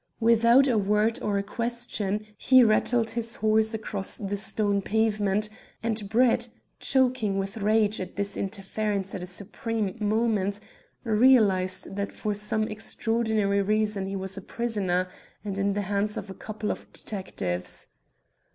Without a word or a question, he rattled his horse across the stone pavement, and Brett, choking with rage at this interference at a supreme moment, realized that for some extraordinary reason he was a prisoner, and in the hands of a couple of detectives.